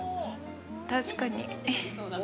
確かに。